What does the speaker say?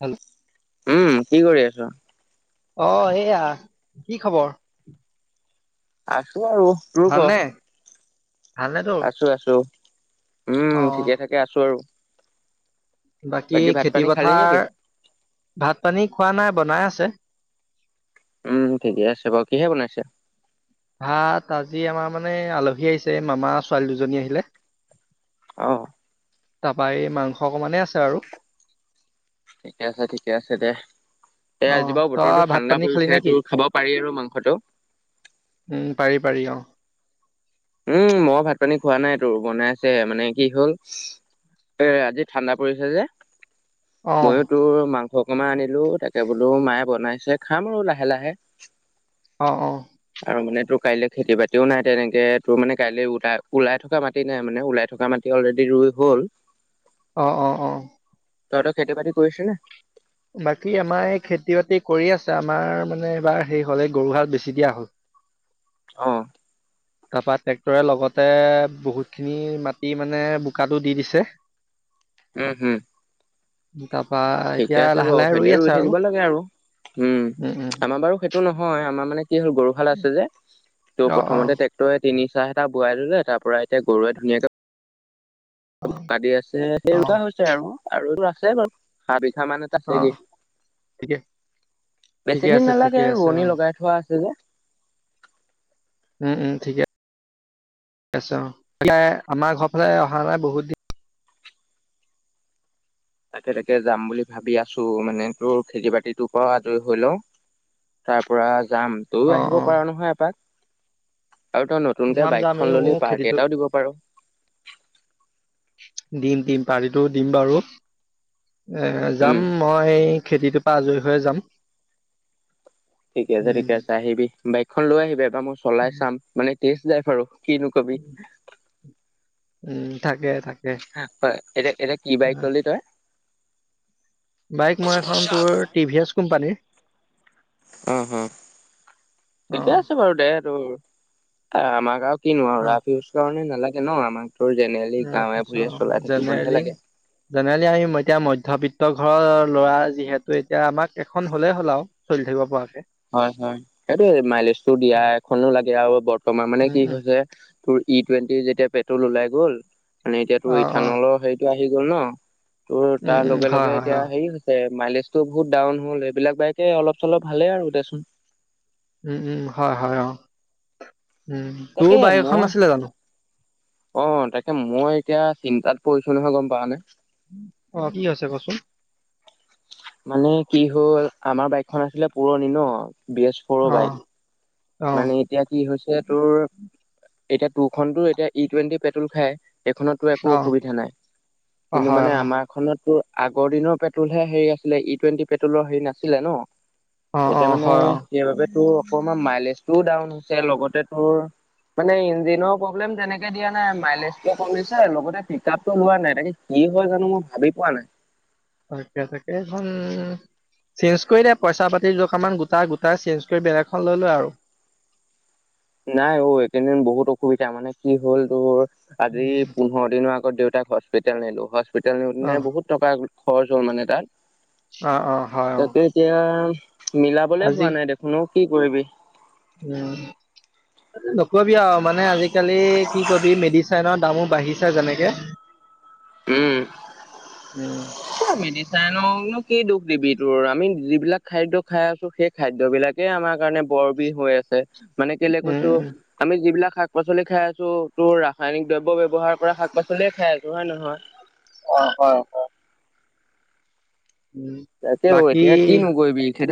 Hello. উম কি কৰি আছ। অ এইয়া কি খবৰ। আছো আৰু। তোৰ ক ভালনে। ভালনে তোৰ? আছো আছো উম অ' ঠিকে থাকে আছো আৰু। বাকী ভাত খেতি পানী খালি নেকি? পথাৰ ভাত পানী খোৱা নাই বনাই আছে। উম ঠিকে আছে বাৰু কিহে বনাইছে। ভাত আজি আমাৰ মানে আলহী আহিছে মামাৰ ছোৱালী দুজনী আহিলে। অ। টাপা এই মাংস অকমানেই আছে আৰু। ঠিকে আছে, ঠিকে আছে দে। এ আজি অ' বাৰু তই বতৰো ভাত ঠাণ্ডা পানী খালি নে পৰিছে কি? তো খাব পাৰি আৰু মাংসটো। উম পাৰি, পাৰি অ'। উম মই ভাত পানী খোৱা নাই তোৰ বনাইছে মানে কি হ'ল এ আজি ঠাণ্ডা পৰিছে যে অহ। মইয়ো তোৰ মাংস অকমান আনিলোঁ তাকে বোলো মায়ে বনাইছে খাম আৰু লাহে, লাহে। অ', অ'। আৰু মানে তো কাইলে খেতি বাতিও নাই তেনেকে। তোৰ মানে কাইলৈ ওলাই, ওলাই থকা মাটি নাই মানে ওলাই থকা মাটি অলৰেডি ৰুই হ'ল। অ', অ'। অ' তহঁতৰ খেতি বাতি কৰিছে নে। বাকী আমাৰ এই খেতি বাতি কৰি আছে আমাৰ মানে এইবাৰ সেই হলে এই গৰু হাল বেছি দিয়া হ'ল। অ'। তাৰপা ট্ৰেক্টৰে লগতে বহুত খিনি মাটি মানে বোকাটো দি দিছে। [inaudible] উম, উম। তাপা ঠিকে আছে বাৰ সেইদ ৰুই থাকিব লাগে আৰু উম আমাৰ বাৰু টো নহয় আমাৰ মানে কি হ'ল গৰুহাল উম আছে যে ত' অ প্ৰথমতে তই তিনি চাহ এটা বোৱাই ল'লে তাৰ পৰা এতিয়া গৰুৱে ধুনীয়াকে অ দি আছে অ কৰি থকা অ হৈছে আৰু আৰু এইবোৰ আছে বাৰু ধা বিঘা মানে অ তাকে দিম ঠিকে ঠিকে বেছি দিন আছে ঠিকে নালাগে আছে অ ৰোৱনী লগাই থোৱা আছিল যে উম, উম ঠিকেই আছে আমাৰ ঘৰ ফালে অহা নাই বহুত দিন। তাকে, তাকে যাম বুলি ভাবি আছোঁ। ছ মানে তোৰ খেতি বাতি তৰ পৰা আজৰি হৈ লও তাৰ পৰা যাম। তইও অ আহিব অ পাৰ নহয় এপাক আৰু তই নতুনকে যাম যাম এই বাইকখন ললি মোৰ পাৰ্টি খেতিটো এটাও দিব পাৰ। দিম, দিম পাৰটিটো দিম বাৰু। এ উম, যাম মই খেতিটোৰ পৰা আজৰি হৈ যাম। ঠিকে আছে উম ঠিকে আছে আহিবি বাইকখন লৈ আহিবি এবাৰ মই চলাই উম চাম মানে তেজ ড্ৰাইভ আৰু। কিনো কবি। উম থাকে, থাকে। হা হয় এতিয়া, এতিয়া কি বাইক ললি তই? বাইক মই এখন তোৰ টি ভি এচ কোম্পানীৰ অহ, অহ অ ঠিকে আছে বাৰু দে তোৰ আমাক আৰু কিনো আৰু অ ৰাফ ইউজ কাৰণে নালাগে ন আমাকতো জেনেৰেলি গাঁৱে ভূইয়ে তাৰপিছত চলাই থাকিবলৈহে জেনেৰেলি লাগে। জেনেৰেলি আমি এতিয়া মধ্যবিত্ত ঘৰৰ ল'ৰা যিহেতু এতিয়া আমাক এখন হলেই হ'ল আৰু। চলি থাকিব পোৱাকে। হয়, হয় সেইটোয়ে মাইলেজ টো দিয়া উম এখনো লাগে আৰু বৰ্তমান মানে কি উম হৈছে তোৰ ই টুৱেণ্টি যেতিয়া পেট্ৰল ওলাই গ'ল মানে এতিয়া তোৰ অ অ ইথানলৰ সেই টো আহি গ'ল ন তোৰ উম তাৰ উম লগে, হয় লগে হয় এতিয়া অ হেৰি মাইলেজ টো বহুত ডাউন হ'ল এইবিলাক বাইকে অলপ চলপ ভালে আৰু দেচোন উম, উম হয়, হয় অ', উম তোৰ তাকে বাইক এখন মই নাছিলে জানোঁ। অ', তাকে মই এতিয়া চিন্তাত পৰিছো নহয় গ'ম পাও নে। অ', কি হৈছে কচোন। মানে কি হ'ল আমাৰ বাইকখন আছিলে পুৰণি ন বৃহস্প সৰু অ বাইক অ মানে এতিয়া কি হৈছে তোৰ এতিয়া টু খনটো এতিয়া ই টুৱেণ্টি পেট্ৰল খায় এইখনত টো একো অ অসুবিধা নাই অ কিন্তু হয় মানে অ আমাৰ খতো আগৰ দিনৰ পেট্ৰলহে হেৰি আছে আছিল ই টুৱেণ্টি পেট্ৰলৰ হেৰি নাছিলে ন অ অ এতিয়া মানে হয় অ সেইবাবে তোৰ অকণমান মাইলেজটোও ডাউন হৈছে লগতে তোৰ মানে ইঞ্জিনৰ প্ৰব্লেম তেনেকে দিয়া নাই মাইলেজ কমিছে লগতে পিক আপতটো লোৱা নাই তাকে কি হয় জানো মই ভাবি পোৱা নাই [unintelligible] এই খন চেঞ্জ কৰি দে পইচা পাতিৰ জকামান গোটা গোটাই চেঞ্জ কৰি বেলেগ এখন লৈ লোৱা আৰু নাই অ এইকেইদিন বহুত অসুবিধা মানে কি হ'ল তোৰ আজি পোন্ধৰ দিনৰ আগত দেউতাক হচপিতেল নিলো হচপিতেল অ নিওতে বহুত টকা খৰচ হ'ল মানে তাত অ অ হয় অ তাকে এতিয়া মিলাবলে হোৱা নাই দেখোন অ কি কৰিবি উ নকবি আও মানে আজি আজিকালি কি কবি মেডিচাইনৰ দামো বাঢ়িছে যেনেকে উম মেডিচাইননো কি দুখ দিবি তোৰ আমি যিবিলাক খাদ্য খাই আছো সেই খাদ্য বিলাকে আমাৰ কাৰণে বৰ বি হৈ আছে মানে কেলে কৈছো উম, আমি যিবিলাক শাক পাচলি খাই আছো তোৰ ৰাসায়নিক দ্ৰব্য ব্যৱহাৰ কৰা শাক পাচলিয়ে খাই আছো হয় নে নহয় অ হয় হয় [unintelligible] তাকে ও বাকী এতিয়া কিনো কৰিবি খেতি